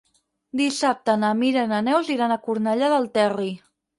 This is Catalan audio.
Dissabte na Mira i na Neus iran a Cornellà del Terri.